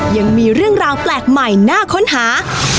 ยังมีเรื่องราวแปลกใหม่น่าค้นหา